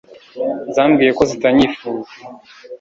zambwiye ko zitanyifuza